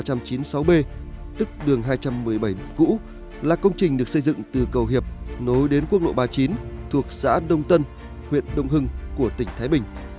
nằm trong cụm dự án tuyến đường tỉnh ba trăm chín mươi sáu b là công trình được xây dựng từ cầu hiệp nối đến quốc lộ ba mươi chín thuộc xã đông tân huyện đông hưng của tỉnh thái bình